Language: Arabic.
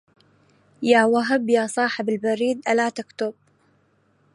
يا وهب يا صاحب البريد ألا تكتب